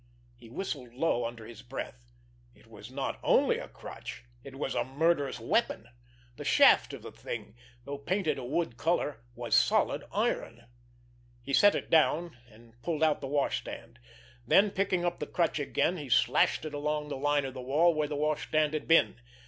He whistled low under his breath. It was not only a crutch, it was a murderous weapon! The shaft of the thing, though painted a wood color, was solid iron! He set it down and pulled out the washstand; then, picking up the crutch again, he slashed it along the line of the wall where the washstand had been.